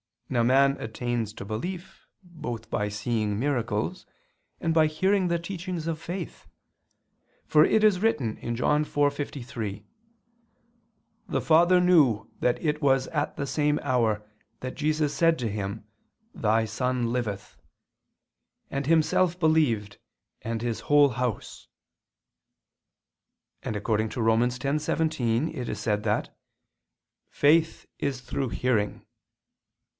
Now man attains to belief, both by seeing miracles, and by hearing the teachings of faith: for it is written (John 4:53): "The father ... knew that it was at the same hour, that Jesus said to him, Thy son liveth; and himself believed, and his whole house"; and (Rom. 10:17) it is said that "faith is through hearing."